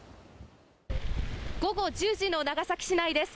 午後１０時の長崎市内です。